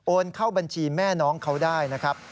เข้าบัญชีแม่น้องเขาได้นะครับ